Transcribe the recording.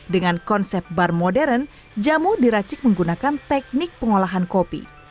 dengan konsep bar modern jamu diracik menggunakan teknik pengolahan kopi